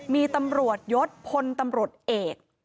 มีตำรวจยศพลตำรวจเอก